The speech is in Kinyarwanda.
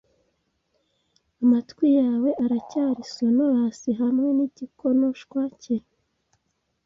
Amatwi yawe aracyari sonorous hamwe nigikonoshwa cye